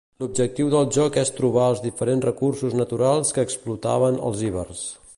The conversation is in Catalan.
L'objectiu del joc és trobar els diferents recursos naturals que explotaven els ibers.